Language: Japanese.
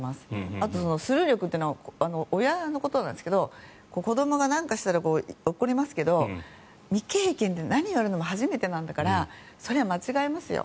あと、スルー力っていうのは親のことなんですが子どもが何かをしたら怒りますけど未経験で何をやるのも初めてなんだからそれは間違えますよ。